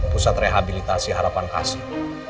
pusat rehabilitasi harapan kasih